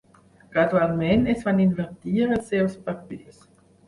Gradualment es van invertir els seus papers.